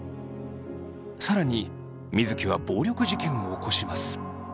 更に水城は暴力事件を起こします。